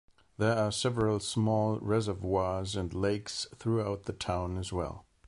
There are several small reservoirs and lakes throughout the town as well.